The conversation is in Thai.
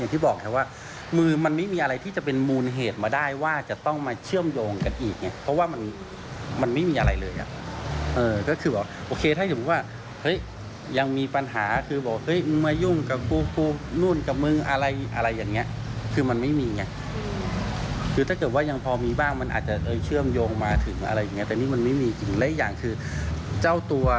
อย่างที่บอกว่ามือมันไม่มีอะไรที่จะเป็นมูลเหตุมาได้ว่า